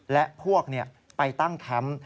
และพวกไปตั้งแคมป์